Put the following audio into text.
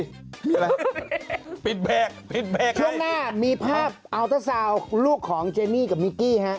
ช่วงหน้ามีภาพอัลเตอร์ซาวลูกของเจนี่กับมิกกี้